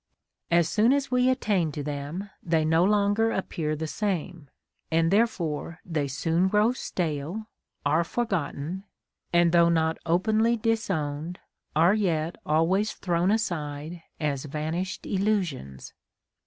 As soon as we attain to them they no longer appear the same, and therefore they soon grow stale, are forgotten, and though not openly disowned, are yet always thrown aside as vanished illusions.